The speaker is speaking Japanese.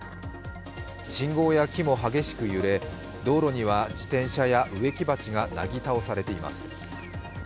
信号や木も激しく揺れ道路には自転車や植木鉢がなぎ倒されています。